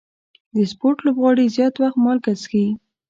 د سپورټ لوبغاړي زیات وخت مالګه څښي.